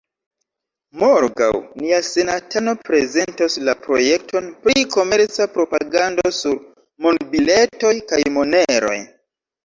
Morgaŭ nia senatano prezentos la projekton pri komerca propagando sur monbiletoj kaj moneroj.